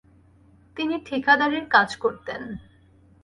তিনি ঠিকাদারির কাজ করতেন।